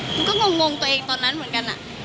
มันก็งงตัวเองตอนนั้นเหมือนกัน